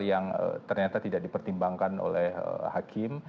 yang harus dipertimbangkan oleh hakim